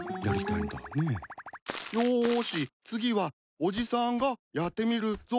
よし次はおじさんがやってみるぞ！